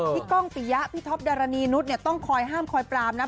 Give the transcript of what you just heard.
ก้องปิยะพี่ท็อปดารณีนุษย์ต้องคอยห้ามคอยปรามนะ